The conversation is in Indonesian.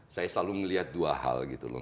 saya selalu melihat dua hal gitu loh